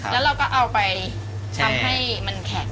แล้วเราก็เอาไปทำให้มันแข็ง